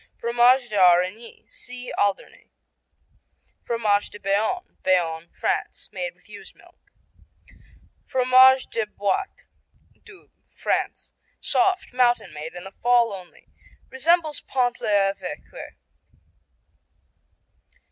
Fromage d'Aurigny see Alderney. Fromage de Bayonne Bayonne, France Made with ewe's milk. Fromage de Bôite Doubs, France Soft, mountain made, in the fall only. Resembles Pont l'Evêque.